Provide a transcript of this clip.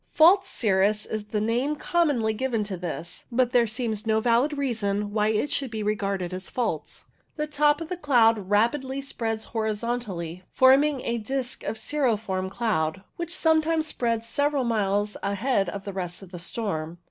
False cirrus is the name commonly given to this, but there seems no valid reason why it should be regarded as " false." The top of the cloud rapidly spreads horizontally, forming a disc of cirriform cloud, which sometimes spreads several miles ahead of the rest of the storm.